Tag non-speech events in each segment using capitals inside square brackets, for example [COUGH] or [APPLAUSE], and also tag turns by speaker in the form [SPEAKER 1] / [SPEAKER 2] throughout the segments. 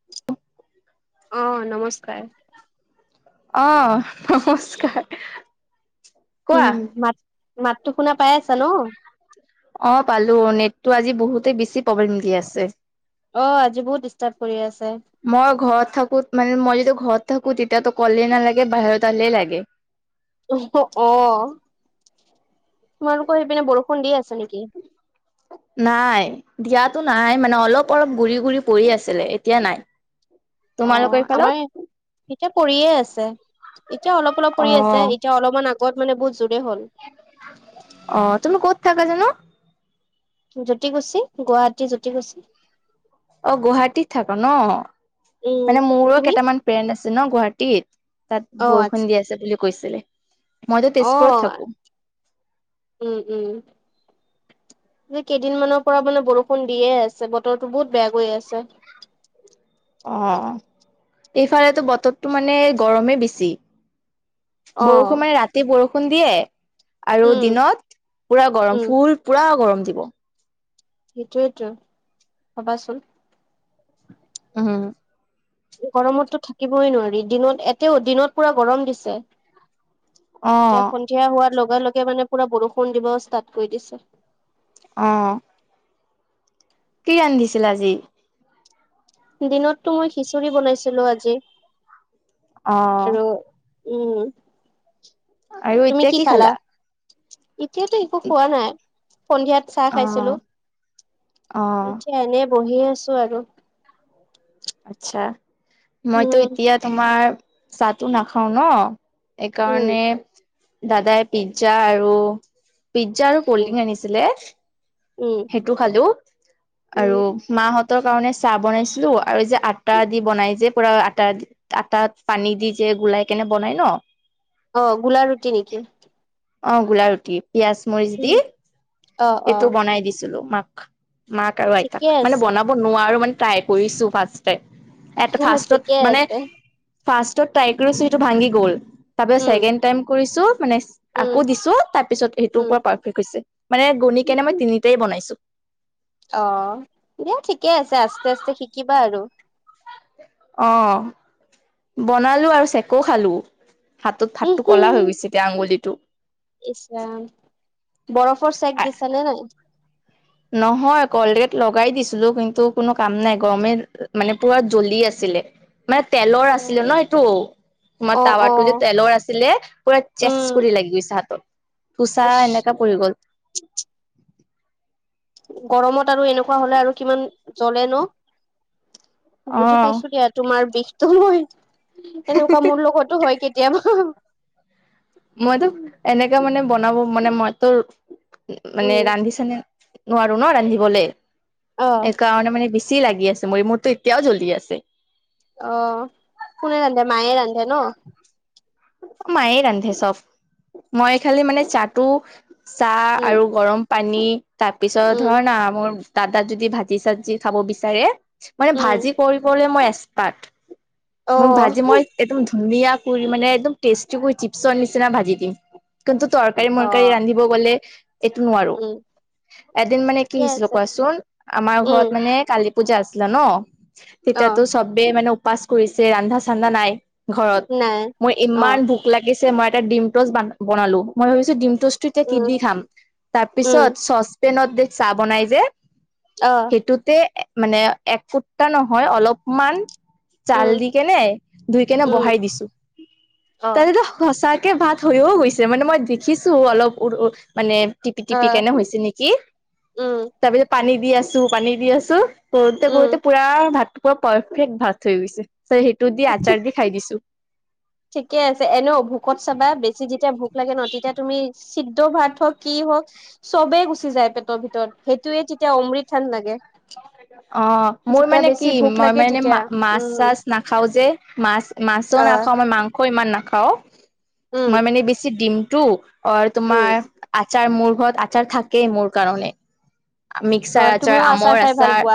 [SPEAKER 1] [UNINTELLIGIBLE]
[SPEAKER 2] অ', নমস্কাৰ।
[SPEAKER 1] অহ নমস্কাৰ। কোৱা।
[SPEAKER 2] উম মাত মাতটো শুনা পাই আছা ন।
[SPEAKER 1] অ', পালোঁ নেট টো আজি বহুতেই বেছি প্ৰব্লেম দি আছে।
[SPEAKER 2] অ', আজি বহুত ডিষ্টাৰ্ব কৰি আছে।
[SPEAKER 1] মই ঘৰত থাকো মানে মই যদি ঘৰত থাকো তেতিয়াতো ক'লেই নালাগে বাহিৰত তাললেই লাগে।
[SPEAKER 2] অ'। তোমালোকৰ সেইপিনে বৰষুণ দি আছে নেকি?
[SPEAKER 1] নাই। দিয়াতো নাই মানে অলপ অলপ গুৰি গুৰি পৰি আছিলে এতিয়া নাই।
[SPEAKER 2] অ,
[SPEAKER 1] তোমালোকৰ এইফালত
[SPEAKER 2] আমাৰ এতিয়া পৰিয়ে আছে। এতিয়া অলপ অলপ কৰি আছে
[SPEAKER 1] অ',
[SPEAKER 2] এতিয়া অলপমান আগত মানে বহুত জোৰে হ'ল।
[SPEAKER 1] অ, তুমি ক'ত থাকা জানো?
[SPEAKER 2] জ্যোতিকুছী, গুৱাহাটী জ্যোতিকুছী।
[SPEAKER 1] অ, গুৱাহাটীত থাক ন,
[SPEAKER 2] উম
[SPEAKER 1] মানে মোৰো
[SPEAKER 2] তুমি?
[SPEAKER 1] কেইটামান। ফ্ৰেণ্ড আছে ন গুৱাহাটীত, তাত
[SPEAKER 2] অ আচ্ছা
[SPEAKER 1] বৰষুণ দি আছে বুলি কৈছিলে। মই যে
[SPEAKER 2] অ
[SPEAKER 1] তেজপুৰত থাকো।
[SPEAKER 2] উম, উম। কেইদিনমানৰ পৰা মানে বৰষুণ দিয়ে আছে বতৰটো বহুত বেয়া কৰি আছে।
[SPEAKER 1] অ, এইফালেতো বতৰটো মানে গৰমেই বেছি।
[SPEAKER 2] অ
[SPEAKER 1] বৰষুণ মানে ৰাতি বৰষুণ দিয়ে আৰু
[SPEAKER 2] উম
[SPEAKER 1] দিনত পুৰা গৰম
[SPEAKER 2] উম
[SPEAKER 1] ফূল। পূৰা গৰম দিব।
[SPEAKER 2] সেইটোৱেতো ভবাচোন।
[SPEAKER 1] হয় [UNINTELLIGIBLE] অম [UNINTELLIGIBLE]
[SPEAKER 2] গৰমততো থাকিবই নোৱাৰি দিনত এতেও দিনত পূৰা গৰম দিছে। এতিয়া
[SPEAKER 1] অ',
[SPEAKER 2] সন্ধিয়া হোৱাৰ লগে লগে মানে পূৰা বৰষুণ দিব ষ্টাৰ্ট কৰি দিছে।
[SPEAKER 1] অ। কি ৰান্ধিছিল আজি?
[SPEAKER 2] দিনতটো মই খিচিৰি বনাইছিলো আজি
[SPEAKER 1] অ',
[SPEAKER 2] আৰু। উম। তুমি কি খালা? এতিয়াতো একো খোৱা নাই। সন্ধিয়াত চাহ খাইছিলো,
[SPEAKER 1] অ', অ',
[SPEAKER 2] এতিয়া এনে বহি আছো আৰু।
[SPEAKER 1] আচ্ছা, মইতো
[SPEAKER 2] উম।
[SPEAKER 1] এতিয়া তোমাৰ চাহটো নাখাও ন।
[SPEAKER 2] উম
[SPEAKER 1] এইকাৰণে দাদাই পিজ্জা আৰু পিজ্জা আৰু।
[SPEAKER 2] উম
[SPEAKER 1] কল্ডিং আনিছিলে।
[SPEAKER 2] উম।
[SPEAKER 1] সেইটো খালো আৰু
[SPEAKER 2] উম
[SPEAKER 1] মাহঁতৰ কাৰণে চাহ বনাইছিলো। আৰু যে আটা
[SPEAKER 2] উম
[SPEAKER 1] দি বনাই যে পুূৰা আটা আটাত পানী দি যে গোলাই কিনে বনাই ন।
[SPEAKER 2] অ গোলা ৰুটি নেকি?
[SPEAKER 1] অ গোলা ৰুটি পিয়াজ মৰিচ
[SPEAKER 2] উম
[SPEAKER 1] দি।
[SPEAKER 2] অ অ
[SPEAKER 1] এইটো বনাই দিছিলো মাক, মাক আৰু আইতাক
[SPEAKER 2] ঠিকে
[SPEAKER 1] মানে
[SPEAKER 2] আছে
[SPEAKER 1] বনাব। মই নোৱাৰো মানে ত্ৰাই কৰিচো ফ্ৰাইড তাইম, ফ্ৰাইড ত
[SPEAKER 2] ঠিকে
[SPEAKER 1] মানে।
[SPEAKER 2] আছে
[SPEAKER 1] ফাৰ্ষ্টত তাই কৰিছে, সেইতো ভাঙি গ'ল, তাৰপিচত
[SPEAKER 2] উম
[SPEAKER 1] চেকেণ্ড টাইম কৰিছো মানে।
[SPEAKER 2] উম
[SPEAKER 1] আকৌ দিছো তাৰ পিছত সেইটোও পূৰা পাৰফেক্ট হৈছে, মানে গণি কিনে
[SPEAKER 2] উম।
[SPEAKER 1] মই তিনিটাই বনাইছো।
[SPEAKER 2] অ', দিয়া ঠিকেই আছে, আস্তে আস্তে শিকিবা আৰু।
[SPEAKER 1] অ', বনালো আৰু চেকো খালো, হাতত হাতটো ক'লা হৈ গৈছে। এই আঙুলিটো।
[SPEAKER 2] ইছ ৰাম, বৰফৰ চেক দিছে নে নাই?
[SPEAKER 1] নহয় কলগেট লগাই দিছিলো, কিন্তু কোনো কাম নাই। গৰমে মানে পূৰা জ্বলি আছিলে। মানে তেলৰ আছিলে ন
[SPEAKER 2] অ
[SPEAKER 1] এইটো। তোমাৰ
[SPEAKER 2] অ
[SPEAKER 1] টাৱাটো যে তেলৰ আছিলে, পুৰা চেচ
[SPEAKER 2] উম
[SPEAKER 1] কৰি লাগি গৈছে হাতত। [INAUDIBLE] থোচা
[SPEAKER 2] ইচ
[SPEAKER 1] এনেকা পৰি গ'ল।
[SPEAKER 2] গৰমত আৰু এনেকুৱা হ'লে আৰু কিমান জ্বলে ন? [INAUDIBLE]
[SPEAKER 1] অ
[SPEAKER 2] বুজি পাইছো দিয়া তোমাৰ বিষটো মই। [INAUDIBLE] এনেকুৱা মোৰ লগতো হয় কেতিয়াবা। [INAUDIBLE]
[SPEAKER 1] মইতো এনেকা মানে বনাব মানে মইতো মানে
[SPEAKER 2] উম
[SPEAKER 1] ৰান্ধিছানে [INAUDIBLE] নোৱাৰো ন ৰান্ধিবলে।
[SPEAKER 2] অ
[SPEAKER 1] [INAUDIBLE] কাৰণে মানে বেছি লাগি আছে। মই মোৰতো এতিয়াও জ্বলি আছে। [INAUDIBLE]
[SPEAKER 2] অঁ! কোনে ৰান্ধে? মায়ে ৰান্ধে ন? [INAUDIBLE]
[SPEAKER 1] মায়েই ৰান্ধে চব। মই খালি মানে চাহটো চাহ
[SPEAKER 2] উম
[SPEAKER 1] আৰু গৰম [INAUDIBLE] পানী তাৰ পিছত
[SPEAKER 2] উম
[SPEAKER 1] ধৰ না মোৰ দাদা যদি ভাজি-চাজি খাব বিচাৰে [INAUDIBLE] মানে
[SPEAKER 2] উম
[SPEAKER 1] ভাজি কৰিবলৈ মই এক্সপাৰ্ট।
[SPEAKER 2] অ
[SPEAKER 1] মোক মই ভাজি মই [INAUDIBLE] একদম ধুনীয়া কৰি মানে একদম টেষ্টি কৰি চিপছৰ নিচিনা ভাজি দিম। [INAUDIBLE] কিন্তু
[SPEAKER 2] অ
[SPEAKER 1] তৰকাৰী-মৰকাৰী ৰান্ধিব গ'লে [INAUDIBLE] এইটো নোৱাৰো।
[SPEAKER 2] উম
[SPEAKER 1] এদিন মানে কি
[SPEAKER 2] ঠিকে
[SPEAKER 1] হৈছিল
[SPEAKER 2] আছে
[SPEAKER 1] কোৱা চোন? আমাৰ
[SPEAKER 2] উম
[SPEAKER 1] ঘৰত মানে কালি [UNINTELLIGIBLE] পূজা আছিলে ন।
[SPEAKER 2] অ
[SPEAKER 1] তেতিয়াতো চবেই মানে উপবাস কৰিছে ৰন্ধা-চান্ধা নাই ঘৰত। [INAUDIBLE]
[SPEAKER 2] নাই। [INAUDIBLE]
[SPEAKER 1] মোৰ
[SPEAKER 2] অ
[SPEAKER 1] ইমান ভোক লাগিছে, মই এটা ডিমটচ বনালো। মই ভাবিছো ডিমটচ [UNINTELLIGIBLE] [INAUDIBLE] এতিয়া কি
[SPEAKER 2] উম
[SPEAKER 1] দি খাম।
[SPEAKER 2] উম
[SPEAKER 1] তাৰপিছত চচপেনত যে চাহ বনাই যে
[SPEAKER 2] অহ। [INAUDIBLE]
[SPEAKER 1] এইটোতে মানে এক ফুটা নহয়, অলপমান [INAUDIBLE] জাল
[SPEAKER 2] উম
[SPEAKER 1] দি কেনে, ধুই কেনে
[SPEAKER 2] উম,
[SPEAKER 1] বহাই দিছো। [INAUDIBLE]
[SPEAKER 2] অ',
[SPEAKER 1] তেনেকে সঁচাকে ভাত হৈয়ো গৈছে মানে মই দেখিছো অলপ [INAUDIBLE] মানে টিপি-টিপি
[SPEAKER 2] অ',
[SPEAKER 1] কেনে হৈছে নেকি?
[SPEAKER 2] উম,
[SPEAKER 1] তাৰ পিছত পানী দি আছো, পানী দি আছো [INAUDIBLE]
[SPEAKER 2] উম,
[SPEAKER 1] কৰোতে-কৰোতে পুৰা ভাতটো পুৰা পাৰফেক্ট ভাত হৈ গৈছে। ত' সেইটো দি আচাৰ দি খাই দিছো। [INAUDIBLE]
[SPEAKER 2] ঠিকেই আছে, এনেও ভোকত চাবা বেছি যেতিয়া ভোক [INAUDIBLE] লাগে ন, তেতিয়া তুমি চিদ্ধ ভাত হ‌ওক কি হওক [INAUDIBLE] চবেই গুচি যায় পেটৰ ভিতৰত, সেইটোৱেই তেতিয়া অমৃত হেন লাগে। [INAUDIBLE]
[SPEAKER 1] অঁ। [INAUDIBLE] অঁ! মোৰ
[SPEAKER 2] যেতিয়া
[SPEAKER 1] মানে
[SPEAKER 2] বেছি
[SPEAKER 1] কি?
[SPEAKER 2] ভোক
[SPEAKER 1] মই
[SPEAKER 2] লাগে
[SPEAKER 1] মানে
[SPEAKER 2] তেতিয়া
[SPEAKER 1] মা
[SPEAKER 2] উম,
[SPEAKER 1] মাছ-চাছ নাখাওঁ যে, মাছ-মাছো
[SPEAKER 2] অ',
[SPEAKER 1] নাখাওঁ মই মাং [INAUDIBLE] [INAUDIBLE] ইমান নাখাওঁ। মই
[SPEAKER 2] উম,
[SPEAKER 1] মানে বেছি দিমটো অ'
[SPEAKER 2] উম,
[SPEAKER 1] তোমাৰ [INAUDIBLE] আচাৰ মোৰ ঘৰত আচাৰ থাকেই মোৰ কাৰণে। মিক্সাৰ
[SPEAKER 2] অ',
[SPEAKER 1] আচাৰ,
[SPEAKER 2] তুমিও
[SPEAKER 1] আমৰ
[SPEAKER 2] খাই
[SPEAKER 1] আছ [UNINTELLIGIBLE]
[SPEAKER 2] ভাল পোৱা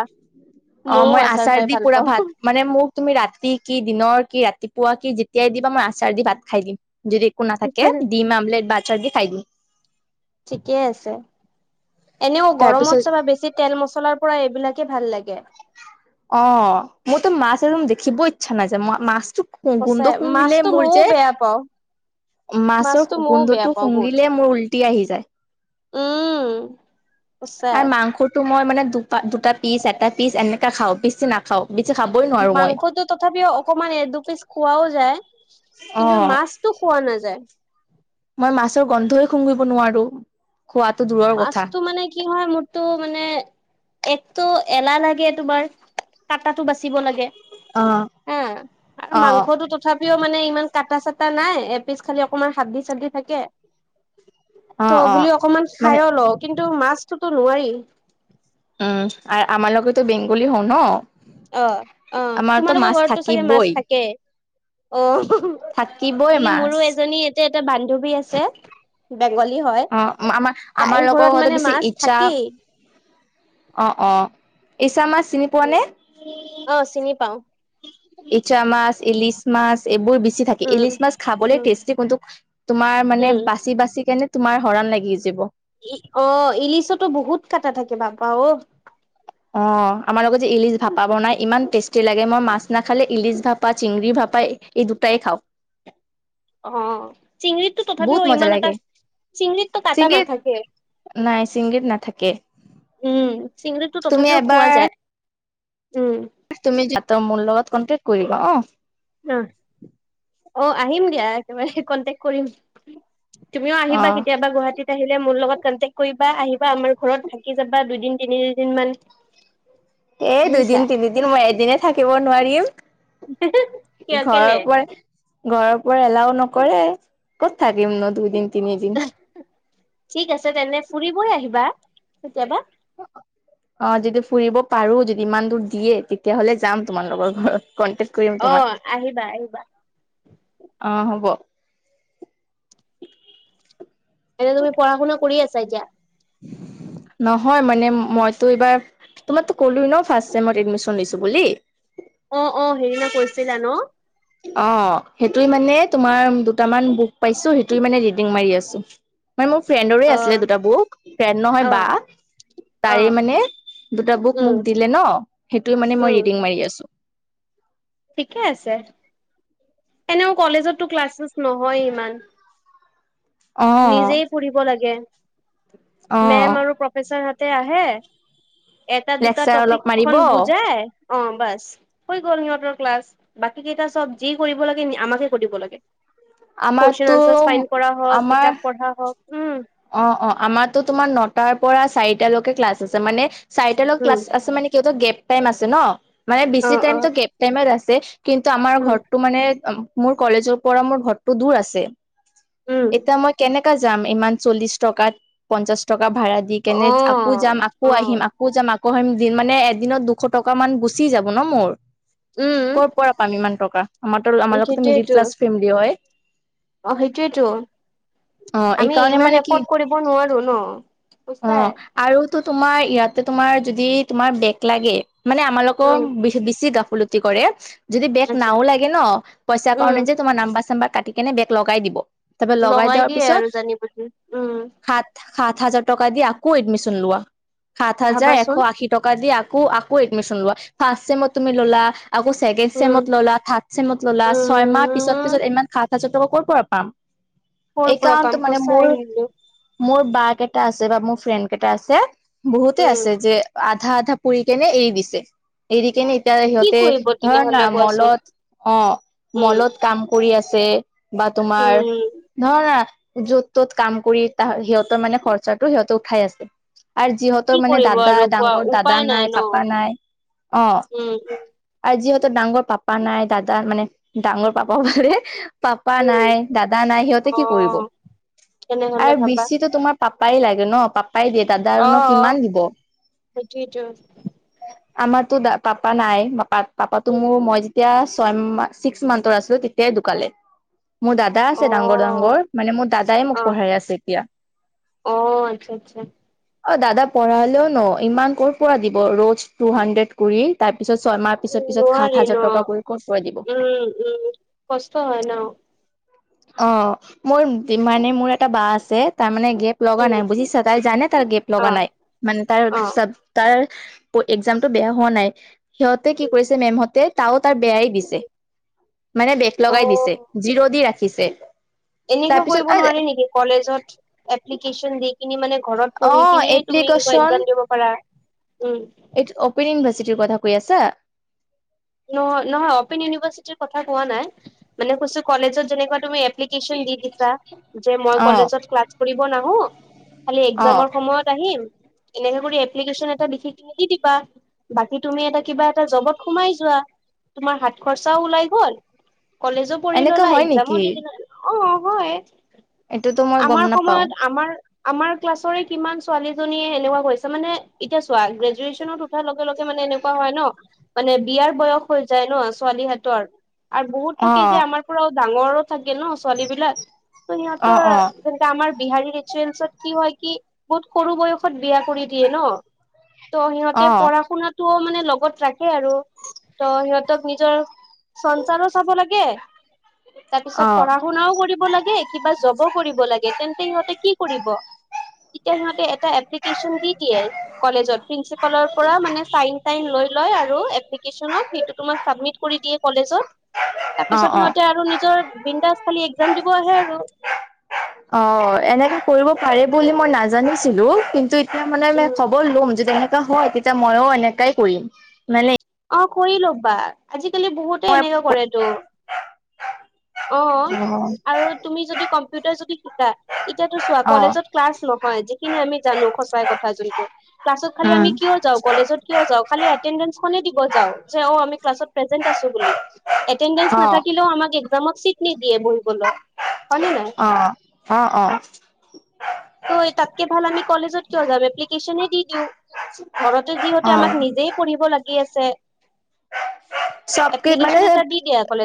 [SPEAKER 1] অঁ!
[SPEAKER 2] মইও
[SPEAKER 1] মই আচাৰ
[SPEAKER 2] খাই
[SPEAKER 1] দি
[SPEAKER 2] ভাল
[SPEAKER 1] পুৰা
[SPEAKER 2] পাওঁ।
[SPEAKER 1] ভাত [INAUDIBLE] মানে মোক তুমি ৰাতি কি, দিনৰ কি, ৰাতিপুৱা কি যেতিয়াই দিবা মই আচাৰ দি ভাত খাই দিম। [INAUDIBLE] যদি একো নাথাকে ডিম, আমলেট বা আচাৰ দি খাই দিম। [UNINTELLIGIBLE]
[SPEAKER 2] ঠিকেই আছে। এনেও
[SPEAKER 1] তাৰপিছত
[SPEAKER 2] গৰমত চাবা বেছি [INAUDIBLE] তেল, মছলাৰ পৰা এইবিলাকেই ভাল লাগে। [INAUDIBLE]
[SPEAKER 1] অঁ! মোৰতো মাছ একদম দেখিবই ইচ্ছা নাযায়। মই মাছতো [INAUDIBLE] [INAUDIBLE] গোন্ধ
[SPEAKER 2] সঁচাই
[SPEAKER 1] শুঙিলে
[SPEAKER 2] মাছতো
[SPEAKER 1] মোৰ
[SPEAKER 2] মইও
[SPEAKER 1] যে
[SPEAKER 2] বেয়া পাওঁ
[SPEAKER 1] মাছৰ
[SPEAKER 2] মাছতো মইও বেয়া
[SPEAKER 1] গোন্ধটো
[SPEAKER 2] পাওঁ বহুত
[SPEAKER 1] শুঙিলে মোৰ উলটি আহি যায়। [INAUDIBLE]
[SPEAKER 2] উম! সঁচাই। [INAUDIBLE]
[SPEAKER 1] টো মই মানে দু [INAUDIBLE] দুটা পিচ, এটা পিচ এনেকা খাওঁ, বেছি নাখাওঁ। বেছি খাবই [INAUDIBLE]
[SPEAKER 2] মাংসতো তথাপিও অকমান এ দু পিচ খোৱাও যায় কিন্তু
[SPEAKER 1] অ',
[SPEAKER 2] মাছ [INAUDIBLE] তো খোৱা নাযায়। [INAUDIBLE]
[SPEAKER 1] মই মাছৰ গন্ধই শুঙিব নোৱাৰোঁ। [INAUDIBLE] খোৱাটো দূৰত [INAUDIBLE]
[SPEAKER 2] মাছটো মানে কি হয় মোৰ টো মানে একটো এলাহ লাগে তোমাৰ কটাটাটো বাচিব লাগে
[SPEAKER 1] অ',
[SPEAKER 2] আৰু
[SPEAKER 1] অ',
[SPEAKER 2] মাংসটো তথাপিও মানে ইমান কাটা চাটা নাই এপিছ খালি অকমান হাদ্দি চালদি থাকে ত
[SPEAKER 1] অ', অ'।
[SPEAKER 2] বুলি অকমান
[SPEAKER 1] মানে
[SPEAKER 2] খাইও লও কিন্তু মাছটোতো নোৱাৰি
[SPEAKER 1] আৰু আমাৰ লগেতো বেংগলী হওঁ ন
[SPEAKER 2] অ অ
[SPEAKER 1] আমাৰতো
[SPEAKER 2] তোমালোকৰ
[SPEAKER 1] মাছ
[SPEAKER 2] ঘৰতো চাগে মাছ
[SPEAKER 1] থাকিবই।
[SPEAKER 2] থাকে অ
[SPEAKER 1] থাকিবই
[SPEAKER 2] এ
[SPEAKER 1] মাছ
[SPEAKER 2] মোৰো এজনী ইয়াতে এটা বান্ধৱী আছে বেংগলী হয়
[SPEAKER 1] অ', আমাৰ আমাৰ
[SPEAKER 2] তাইৰ
[SPEAKER 1] লগৰ
[SPEAKER 2] ঘৰত
[SPEAKER 1] ঘৰতো
[SPEAKER 2] মানে
[SPEAKER 1] বেছি
[SPEAKER 2] মাছ থাকেই
[SPEAKER 1] অঁ অঁ ই ইচা মাছ চিনি পোৱা নে
[SPEAKER 2] অ চিনি পাওঁ
[SPEAKER 1] ইচ মাছ ইলিছ মাছ এইবোৰ বেছি থাকে
[SPEAKER 2] উম,
[SPEAKER 1] ইলিছ মাছ খাবলৈ
[SPEAKER 2] উম,
[SPEAKER 1] টেষ্টি কিন্তু তোমাৰ মানে
[SPEAKER 2] উম,
[SPEAKER 1] বাচি বাচি কেনে তোমাৰ হৰণ লাগি যিব
[SPEAKER 2] অ ইলিচতো বহুত কাটা থাকে বাপপা অ
[SPEAKER 1] অ আমাৰ লগত যে ইলিচ ভাপা বনাই ইমান টেষ্টি লাগে মই মাছ নাখালে ইলিচ ভাপা চিঙৰি ভাপাই এই দুটাই খাওঁক
[SPEAKER 2] অ চিঙৰিতো
[SPEAKER 1] বহুত
[SPEAKER 2] তথাপিও
[SPEAKER 1] মজা
[SPEAKER 2] ইমান এটা
[SPEAKER 1] লাগে।
[SPEAKER 2] চিঙৰিতটো কাটা
[SPEAKER 1] চিংগিত
[SPEAKER 2] নাথাকে
[SPEAKER 1] নাই শিংগিত নাথাকে
[SPEAKER 2] উম চিঙৰিটো
[SPEAKER 1] তুমি
[SPEAKER 2] তথাপিও খোৱা
[SPEAKER 1] এবাৰ
[SPEAKER 2] যায় উম
[SPEAKER 1] তুমি জাত মোৰ লগত কনটেক্ট কৰিবা অ
[SPEAKER 2] অ অ আহিম দিয়া একেবাৰে কনটেক কৰিম তুমিও আহিবা
[SPEAKER 1] অ'
[SPEAKER 2] কেতিয়াবা গুৱাহাটীত মোৰ লগত কানটেক কৰিবা আহিবা আমাৰ ঘৰত থাকি যাবা দুইদিন তিনি দিন [INAUDIBLE]
[SPEAKER 1] এই দুদিন তিনিদিন মই এদিনে থাকিব নোৱাৰিম
[SPEAKER 2] কিয় কেলে
[SPEAKER 1] ঘৰৰ পৰে ঘৰৰ পৰা এলাও নকৰে ক'ত থাকিম ন দুইদিন তিনিদিন
[SPEAKER 2] ঠিক আছে তেনে ফুৰিব আহিবা কেতিয়াবা
[SPEAKER 1] অ যদি ফুৰিব পাৰো যদি ইমান দূৰ দিয়ে তেতিয়াহলে যাম তোমালোকৰ ঘৰত কণ্টেক কৰিম
[SPEAKER 2] অ',
[SPEAKER 1] তোমাক
[SPEAKER 2] আহিবা আহিবা
[SPEAKER 1] অ হ'ব
[SPEAKER 2] এতিয়া তুমি পঢ়া শুনা কৰি আছা এতিয়া
[SPEAKER 1] নহয় মানে মইতো এইবাৰ তোমাকটো কলোঁ ন ফাৰ্ষ্ট ছেমত এডমিচন দিছো বুলি
[SPEAKER 2] অ অ সেইদিনা কৈছিলা ন
[SPEAKER 1] অ সেইটো মানে তোমাৰ দুটামান বুক পাইছো সেইটো মানে ৰিডিং মাৰি আছো মানে মোৰ ফ্ৰেণ্ডৰে
[SPEAKER 2] অ',
[SPEAKER 1] আছিলে দুটা বুক ফ্ৰেণ্ড নহয় বা
[SPEAKER 2] অ',
[SPEAKER 1] তাৰে
[SPEAKER 2] অ',
[SPEAKER 1] মানে দুটা বুক
[SPEAKER 2] উম,
[SPEAKER 1] মোক দিলে ন সেইটো মানে মই
[SPEAKER 2] উম,
[SPEAKER 1] ৰিডিং মাৰি আছো
[SPEAKER 2] ঠিকে আছে এনেও কলেজতটো ক্লাছে শ্লাচ নহয়ে ইমান
[SPEAKER 1] অ
[SPEAKER 2] নিজেই পঢ়িব লাগে
[SPEAKER 1] অ
[SPEAKER 2] মেম আৰু প্ৰফেচাৰ হতে আহে এটা দুটা
[SPEAKER 1] লেকচাৰ অলপ মাৰিব
[SPEAKER 2] টপিকখন বুজাই অ বাছ হৈ গ'ল সিহঁতৰ ক্লাছ বাকী কেইটা চব যি কৰিব লাগে আমাকে কৰিব লাগে কুৱেশন
[SPEAKER 1] আমাৰতো
[SPEAKER 2] আনচাৰ চাইন কৰা হওক
[SPEAKER 1] আমাৰ
[SPEAKER 2] কিতাপ পঢ়া হওক উম
[SPEAKER 1] অ অ আমাৰো তোমাৰ নটাৰ পৰা চাৰিটালৈকে ক্লাছ আছে মানে চাৰিটলত
[SPEAKER 2] উম,
[SPEAKER 1] ক্লাছ আছে মানে সিঁহতৰ গেপ টাইম আছে ন মানে বেছি
[SPEAKER 2] অ',
[SPEAKER 1] টাইম
[SPEAKER 2] অ',
[SPEAKER 1] গেপ টাইমত আছে কিন্তু আমাৰ
[SPEAKER 2] উম,
[SPEAKER 1] ঘৰটো মানে মোৰ কলেজৰ পৰা মোৰ ঘৰটো দূৰ আছে
[SPEAKER 2] উম,
[SPEAKER 1] এতিয়া মই কেনেকা যাম? ইমান চল্লিশ টকাত পঞ্চাশ টকা ভাড়া [UNINTELLIGIBLE] আকৌ যাম
[SPEAKER 2] অ',
[SPEAKER 1] আকৌ আহিম,
[SPEAKER 2] অ',
[SPEAKER 1] আকৌ যাম আকৌ আহিম, মানে এদিনত দুশ টকা মান গুচি যাব ন মোৰ।
[SPEAKER 2] উম
[SPEAKER 1] কৰা পাম ইমান টকা? আমাৰতো আমাৰ লগততে মিডিল
[SPEAKER 2] সেইটোয়েতো
[SPEAKER 1] ক্লাছ ফেমিলি হয়।
[SPEAKER 2] অ সেইটোয়েটো
[SPEAKER 1] অ',
[SPEAKER 2] আমি
[SPEAKER 1] এইকাৰণে
[SPEAKER 2] ইমান
[SPEAKER 1] মানে কি
[SPEAKER 2] এফত কৰিব নোৱাৰো ন।
[SPEAKER 1] অ',
[SPEAKER 2] সঁচাই
[SPEAKER 1] আৰুতো তোমাৰ ইয়াতে তোমাৰ যদি তোমাৰ বেগ লাগে, মানে আমাৰ
[SPEAKER 2] উম,
[SPEAKER 1] বেছি বেছি গাফিলতি কৰে যদি বেগ
[SPEAKER 2] আচ্ছা
[SPEAKER 1] নাও লাগে ন, পইচাৰ
[SPEAKER 2] উম,
[SPEAKER 1] কাৰণে যে তোমাৰ নাম্বাৰ-চাম্বাৰ কাটি কেনে বেগ লগাই দিব। এবাৰ লগাই দেৱাৰ
[SPEAKER 2] দিয়ে আৰু
[SPEAKER 1] পিছত
[SPEAKER 2] জানি উম।
[SPEAKER 1] সাত, সাত হাজাৰ টকা দি আকৌ এডমিশন লোৱা। সাত হাজাৰ এশ
[SPEAKER 2] ভাবাচোন
[SPEAKER 1] আশী টকা দি আকৌ আকৌ এডমিশন লোৱা। ফাষ্ট চেমত তুমি ললা আকৌ ছেকেণ্ড
[SPEAKER 2] উম,
[SPEAKER 1] চেমত ললা, থাৰ্ড চেমত ললা, ছয় মাহ পিছত
[SPEAKER 2] উম,
[SPEAKER 1] পিছত ইমান সাত হাজাৰ টকা ক'ৰ পৰা পাম?
[SPEAKER 2] কৰ পৰা
[SPEAKER 1] এইকাৰণটো
[SPEAKER 2] পাম
[SPEAKER 1] মানে
[SPEAKER 2] ক
[SPEAKER 1] মোৰ মোৰ বা কেইটা আছে বা মোৰ ফ্ৰেণ্ড কেইটা আছে, বহুতেই
[SPEAKER 2] উম,
[SPEAKER 1] আছে যে আধা আধা পঢ়ি কেনে এৰি দিছে। এৰি কেনে এতিয়া
[SPEAKER 2] কি
[SPEAKER 1] সিহঁতে
[SPEAKER 2] কৰিব
[SPEAKER 1] ধৰা
[SPEAKER 2] তেনেহলে
[SPEAKER 1] না
[SPEAKER 2] কোৱাচোন
[SPEAKER 1] মলত অ
[SPEAKER 2] উম,
[SPEAKER 1] মলত কাম কৰি আছে বা তোমাৰ
[SPEAKER 2] উম,
[SPEAKER 1] নহয় নহয় য'ত ত'ত কাম কৰি তাহ সিহঁতৰ মানে খৰছাটো সিহঁতে উঠাই আছে। আৰু
[SPEAKER 2] কি
[SPEAKER 1] যিহঁতৰ মানে
[SPEAKER 2] কৰিব
[SPEAKER 1] দাদা
[SPEAKER 2] আৰু কোৱা
[SPEAKER 1] ডাঙৰ দাদা
[SPEAKER 2] উপায়
[SPEAKER 1] নাই
[SPEAKER 2] ন
[SPEAKER 1] পাপা নাই অ
[SPEAKER 2] উম উম।
[SPEAKER 1] আৰু যিহঁতৰ ডাঙৰ পাপা নাই, দাদা মানে ডাঙৰ পাপা বোলে পাপা
[SPEAKER 2] উম,
[SPEAKER 1] নাই, দাদা নাই, সিহঁতে কি কৰিব?
[SPEAKER 2] অ', তেনেহলে
[SPEAKER 1] আৰু
[SPEAKER 2] ভাবা
[SPEAKER 1] বেছিতো তোমাৰ পাপাই লাগে ন পাপা [UNINTELLIGIBLE] দাদা আৰুনো
[SPEAKER 2] অ',
[SPEAKER 1] কিমান দিব।
[SPEAKER 2] সেইটোয়েইটো [INAUDIBLE]
[SPEAKER 1] আমাৰতো দা পাপা নাই পাপা পাপাটো
[SPEAKER 2] উম,
[SPEAKER 1] মোৰ মই যেতিয়া ছয় মাহ ছিক্স মান্থৰ আছিলো তেতিয়া দে দোকালে। মোৰ দাদা আছে ডাঙৰ
[SPEAKER 2] অ',
[SPEAKER 1] ডাঙৰ মানে মোৰ দাদাই মোক
[SPEAKER 2] অ',
[SPEAKER 1] পঢ়াই আছে এতিয়া।
[SPEAKER 2] অ', আচ্ছা, আচ্ছা
[SPEAKER 1] অ দাদা পঢ়ালেও ন ইমান কৰ পৰা দিব? ৰ'জ টু হাড্ৰেড কৰি, তাৰ পিছত ছয়মাহ পিছত
[SPEAKER 2] উম,
[SPEAKER 1] পিছত সাত
[SPEAKER 2] নোৱাৰি ন
[SPEAKER 1] হাজাৰ টকা কৰি ক'ত পৰাই দিব।
[SPEAKER 2] উম উম। কষ্ট হয় ন,
[SPEAKER 1] অ মোৰ মানে মোৰ এটা বা আছে তাৰ মানে গেপ লগা
[SPEAKER 2] উম,
[SPEAKER 1] নাই বুজিছা? তাই জানে তাৰ গেট লগা
[SPEAKER 2] অ',
[SPEAKER 1] নাই মান তাৰ
[SPEAKER 2] অ',
[SPEAKER 1] চ তাৰ এক্সামটো বেয়া হোৱা নাই, সিহঁতে কি
[SPEAKER 2] উম,
[SPEAKER 1] কৰিছে মেমহঁতে তাও তাৰ বেয়াই দিছে, মানে বেগ লগাই দিছে।
[SPEAKER 2] অ',
[SPEAKER 1] জিৰ দি ৰাখিছে।
[SPEAKER 2] এনেকুৱা
[SPEAKER 1] তাৰপিছত
[SPEAKER 2] কৰিব নোৱাৰি নেকি কলেজত এপ্লিকেশন দি কিনে মানে ঘৰত পঢ়ি
[SPEAKER 1] অ',
[SPEAKER 2] কিনিয়ে তুমি কিবা
[SPEAKER 1] এপ্লিকেশ্যন
[SPEAKER 2] ইন্টাৰ্ণ দিব পাৰা, উম।
[SPEAKER 1] এইটো অপেনিং ইউনিভাৰ্চিটিৰ কথা কৈ আছা?
[SPEAKER 2] নহয় অপন ইউনিভাৰ্ছিটিৰ কথা কোৱা নাই, মানে কৈছো কলেজত যেনেকুৱা তুমি এপ্লি কেচন দি দিছা যে মই
[SPEAKER 1] অ',
[SPEAKER 2] কলেজত ক্লাছ কৰিব নাহো খালি
[SPEAKER 1] অ',
[SPEAKER 2] একজামৰ সময়ত আহিম। এনেকে কৰি এপ্লিকেছন এটা লিখি কিনি দি দিবা। বাকী তুমি এটা কিবা এটা জবত সোমাই [UNINTELLIGIBLE] তোমাৰ হাত খৰচাও ওলাই গল। কলেজো পঢ়ি
[SPEAKER 1] এনেকা
[SPEAKER 2] ল'লা,
[SPEAKER 1] হয়
[SPEAKER 2] একজামো
[SPEAKER 1] নেকি
[SPEAKER 2] দি দিলা। অ, হয়।
[SPEAKER 1] এইটোতো মই গম
[SPEAKER 2] আমাৰ
[SPEAKER 1] নাপাও
[SPEAKER 2] সময়ত আমাৰ আমাৰ ক্লাছৰে কিমান ছোৱালীজনীয়ে সেনেকুৱা কৰিছে। মানে এতিয়া চোৱা, গ্ৰেজুৱেচনত [UNINTELLIGIBLE] লগে লগে মানে এনেকুৱা হয় ন, মানে বিয়াৰ বয়স হৈ যায় ন ছোৱালীহেতৰ। আৰু বহুত থাকে যে
[SPEAKER 1] অ',
[SPEAKER 2] আমাৰ পুৰাও ডাঙৰো থাকে ন ছোৱালী বিলাক। ত'
[SPEAKER 1] অ',
[SPEAKER 2] সিহঁতৰ
[SPEAKER 1] অ',
[SPEAKER 2] তেন্তে আমাৰ বিহাৰী ৰিচুৱেলছত কি হয় কি? বহুত সৰু বয়সত বিয়া কৰি দিয়ে ন। ত' সিহঁতে
[SPEAKER 1] অ',
[SPEAKER 2] পঢ়া শুনাটোও মানে লগত ৰাখে আৰু। ত' সিহঁতক নিজৰ সঞ্চাৰো চাব লাগে, তাৰপিছত পঢ়া
[SPEAKER 1] অ',
[SPEAKER 2] পঢ়া শুনাও কৰিব লাগে, কিবা জব কৰিব লাগে। তেন্তে সিহঁতে কি কৰিব? তেতিয়া সিহঁতে এটা এপ্লিকেশন দি দিয়ে কলেজত প্ৰিন্সি পালৰ পৰা মানে চাইন টাইন লৈ লয় আৰু এপ সিতু তোমাৰ চাবমিত কৰি দিয়ে কলেজত।
[SPEAKER 1] অ',
[SPEAKER 2] তাপিছত
[SPEAKER 1] অ',
[SPEAKER 2] সিহঁতে আৰু নিজৰ বিনদাচ খালি একজাম দিব আহে আৰু।
[SPEAKER 1] অ, এনেকে কৰিব পাৰে বুলি মই নাজানিছিলো। কিন্তু এ--য়া মানেনে
[SPEAKER 2] উম
[SPEAKER 1] খবৰ ল'ম, যেতিয়া হেত' হয় তেতিয়া মইও এনেকাই কৰিম। [UNINTELLIGIBLE]
[SPEAKER 2] অ কৰি ল'বা। আজিকালি বহুতে
[SPEAKER 1] মই
[SPEAKER 2] এনেকা কৰে ত'। অ, আৰু তুমি যদি কম্পিউটাৰ যদি শিকা এতিয়াতো চোৱা
[SPEAKER 1] অ অ
[SPEAKER 2] কলেজত ক্লাছ নহয়, যিখিনি আমি জানো সচাই কথা যোনটো। ক্লাছত খালি
[SPEAKER 1] উম
[SPEAKER 2] আমি কিয় যাওঁ? কলেজত কিয় যাওঁ? খালী এতেন্ডেচ খনে দিব যাও, যে অ আমি ক্লাছত প্ৰেজেন্ট আছো বুলি। এটেডেঞ্চ
[SPEAKER 1] অ
[SPEAKER 2] নাথাকিলেও আমাক একজামত চিট নিদিয়ে বহিবলৈ। হয় নে নাই?
[SPEAKER 1] অ। অ, অ।
[SPEAKER 2] ত' তাতকে ভাল আমি কলেজত কিয় যাম, এপ্লিকেশচনে দি দিওঁ। ঘৰতে যিহোতে
[SPEAKER 1] অ
[SPEAKER 2] আমাক নিজে পঢ়িব লাগি আছে।
[SPEAKER 1] চবকে
[SPEAKER 2] এপ্লিকেশচন এটা
[SPEAKER 1] মানে
[SPEAKER 2] দি দিয়া। কলেজ